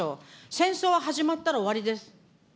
戦争は始まったら終わりです。